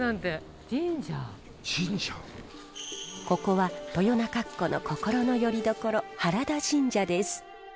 ここは豊中っ子の心のよりどころ原田神社です。